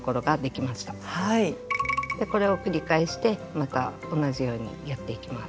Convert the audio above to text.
これを繰り返してまた同じようにやっていきます。